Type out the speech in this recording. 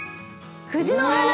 藤の花。